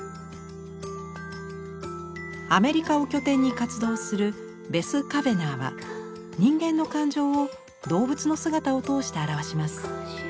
アメリカを拠点に活動するベス・カヴェナーは人間の感情を動物の姿を通して表します。